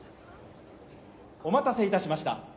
お待たせいたしました。